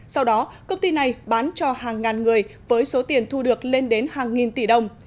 sau đó công ty này bán cho hàng ngàn người với số tiền thu được lên đến hàng nghìn tỷ đồng